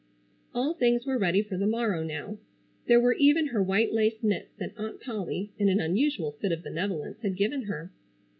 All things were ready for the morrow now. There were even her white lace mitts that Aunt Polly in an unusual fit of benevolence had given her.